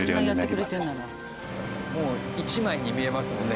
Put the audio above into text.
もう１枚に見えますもんね